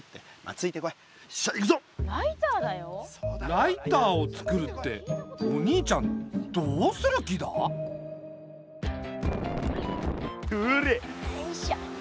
ライターをつくるってお兄ちゃんどうする気だ？ほら！よいしょ。